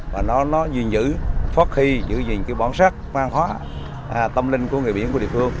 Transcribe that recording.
và nó duyên giữ phát khi giữ gìn cái bản sắc văn hóa tâm linh của người biển của địa phương